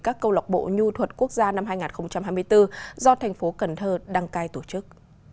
các câu lọc bộ nhu thuật quốc gia năm hai nghìn hai mươi bốn do thành phố cần thơ đăng cai tổ chức